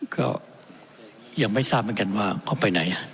ก็ยังไม่ทราบเหมือนกันว่าเขาไปไหน